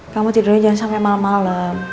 kamu tidurnya jangan sampai malem malem